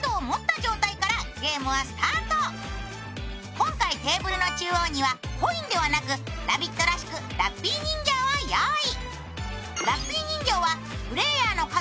今回、テーブルの中央にはコインではなく「ラヴィット！」らしくラッピー人形を用意。